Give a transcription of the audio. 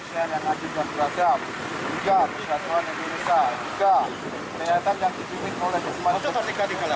tiga perjuangan yang beresan tiga perjalanan yang dikirimkan oleh